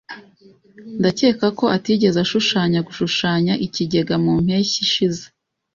Ndakeka ko atigeze ashushanya gushushanya ikigega mu mpeshyi ishize.